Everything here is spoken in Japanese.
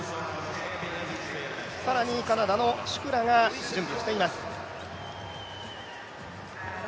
更にカナダのシュクラが準備しています。